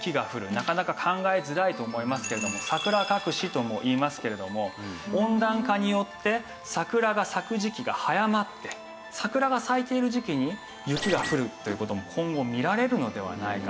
なかなか考えづらいと思いますけれども桜隠しともいいますけれども温暖化によって桜が咲く時期が早まって桜が咲いている時期に雪が降るという事も今後見られるのではないか。